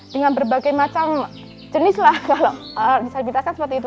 dengan berbagai macam jenis lah kalau disabilitasnya seperti itu